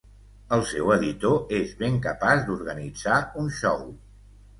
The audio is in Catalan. El seu editor és ben capaç d'organitzar un xou.